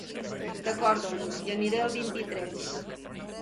D'acord doncs hi aniré el vint-i-tres.